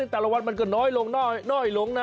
แต่ละวันมันก็น้อยลงนะ